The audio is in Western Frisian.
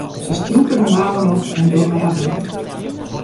Se strûpe de mouwen op en dogge har wurk.